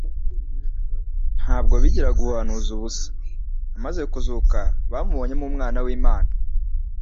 Ntabwo bigiraga ubuhanuzi ubusa: amaze kuzuka, bamubonyemo Umwana w'Imana.